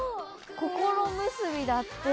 「こころむすび」だって。